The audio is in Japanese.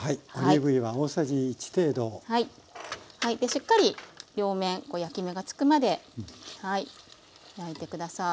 しっかり両面焼き目がつくまで焼いて下さい。